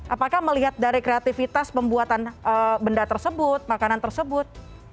apakah melihat dari kreativitas pembuatan benda tersebut makanan tersebut